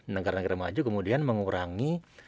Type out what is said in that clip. negara negara maju kemudian mengurangi